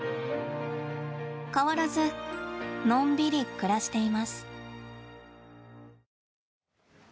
変わらずのんびり暮らしています。